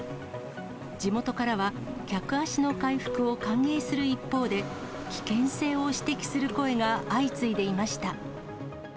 地元からは、客足の回復を歓迎する一方で、危険性を指摘する声が相次いでいました。